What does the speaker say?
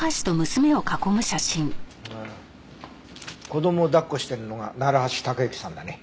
子供を抱っこしてるのが楢橋高行さんだね。